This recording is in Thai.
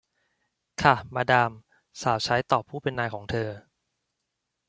ค่ะ มาดาม สาวใช้ตอบผู้เป็นนายของเธอ